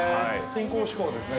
◆健康志向ですね。